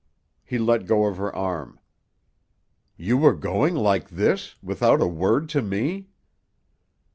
He let go of her arm. "You were going like this, without a word to me?"